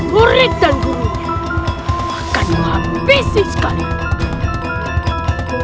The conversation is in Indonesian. murid dan gurunya akan menghabisi sekalian